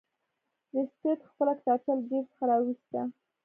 لیسټرډ خپله کتابچه له جیب څخه راویسته.